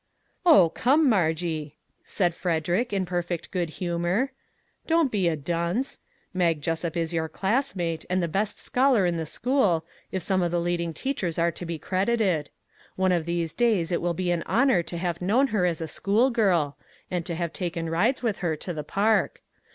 " Oh, come, Margie," said Frederick, in perfect good humor, " don't be a dunce. Mag Jessup is your classmate, and the best scholar in the school, if some of the leading teachers are to be credited. One of these days it will be an honor to have known her as a school girl, and to have taken rides with her to the park.